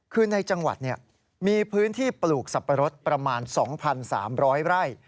คือในจังหวัดมีพื้นที่ปลูกสับปะรดประมาณ๒๓๐๐ไร่